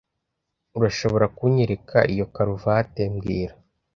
Urashobora kunyereka iyo karuvati mbwira